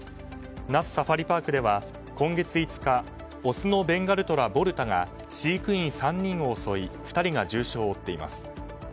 那須サファリパークでは今月５日、オスのベンガルトラボルタが飼育員３人を襲い２人が重傷を負っています。